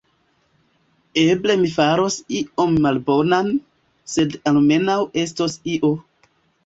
Eble mi faros ion malbonan, sed almenaŭ estos io.